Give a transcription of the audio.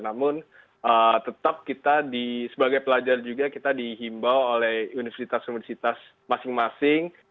namun tetap kita sebagai pelajar juga kita dihimbau oleh universitas universitas masing masing